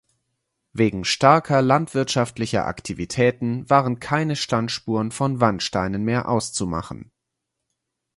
Wegen starker landwirtschaftlicher Aktivitäten waren keine Standspuren von Wandsteinen mehr auszumachen.